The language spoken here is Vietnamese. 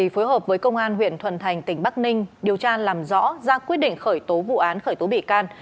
phối hợp với công an huyện thuần thành tỉnh bắc ninh điều tra làm rõ ra quyết định khởi tố vụ án khởi tố bị can